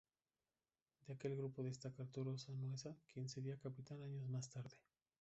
De aquel grupo destaca Arturo Sanhueza, quien sería capitán años más tarde.